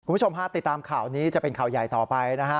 คุณผู้ชมฮะติดตามข่าวนี้จะเป็นข่าวใหญ่ต่อไปนะฮะ